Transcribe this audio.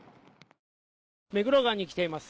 目黒川に来ています。